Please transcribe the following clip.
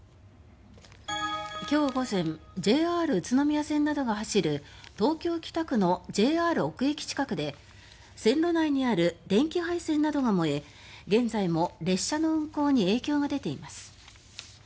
今日午前ＪＲ宇都宮線などが走る東京・北区のＪＲ尾久駅近くで線路内にある電気配線などが燃え現在も列車の運行に影響が出ています。